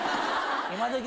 今どき